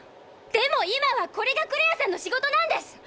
でも今はこれがクレアさんの仕事なんです！